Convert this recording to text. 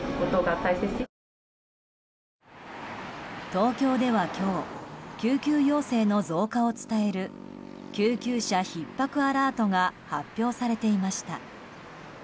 東京では今日救急要請の増加を伝える救急車ひっ迫アラートが発表されていました。